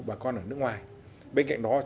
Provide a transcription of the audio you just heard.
bà con ở nước ngoài bên cạnh đó